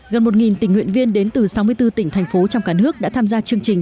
gần một tình nguyện viên đến từ sáu mươi bốn tỉnh thành phố trong cả nước đã tham gia chương trình